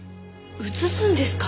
移すんですか？